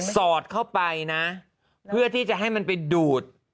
สอดเข้าไปนะเพื่อที่จะให้มันไปดูด